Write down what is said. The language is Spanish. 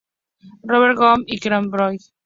Robert Gage y Catherine Boyd.